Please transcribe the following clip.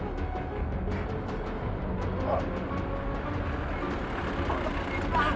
tidak ada lagi yang bisa aku lakukan